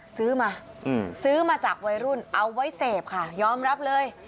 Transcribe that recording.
ซื้อมาซื้อมาจากวัยรุ่นเอาไว้เสพค่ะยอมรับเลย